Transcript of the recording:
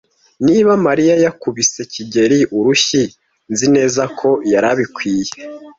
Niba Mariya yakubise kigeli urushyi, nzi neza ko yari abikwiye.